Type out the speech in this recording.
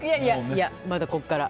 まだこっから。